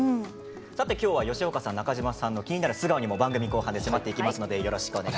吉岡さん、中島さんの気になる素顔には番組後半で迫っていきます。